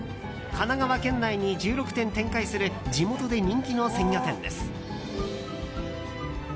神奈川県内に１６店展開する地元で人気の鮮魚店です。